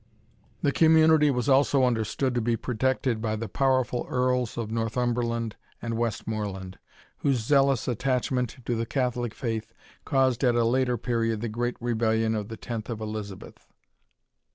The Community was also understood to be protected by the powerful Earls of Northumberland and Westmoreland, whose zealous attachment to the Catholic faith caused at a later period the great rebellion of the tenth of Elizabeth.